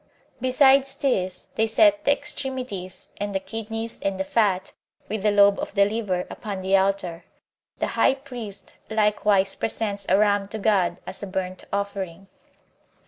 Besides this, they set the extremities, and the kidneys, and the fat, with the lobe of the liver, upon the altar. The high priest likewise presents a ram to God as a burnt offering.